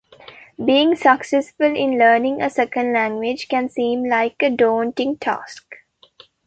Being successful in learning a second language can seem like a daunting task.